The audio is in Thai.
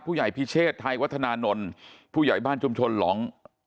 ผู้ใหญ่พิเชษไทยวัฒนานนท์ผู้ใหญ่บ้านชุมชนหลอง